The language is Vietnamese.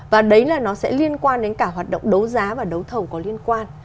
và đấy là nó sẽ liên quan đến cả hoạt động đấu giá và đấu thầu có liên quan